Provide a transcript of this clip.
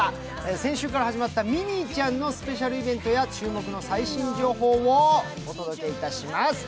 先週から始まったミニーちゃんのスペシャルイベントや注目の最新情報をお届けいたします。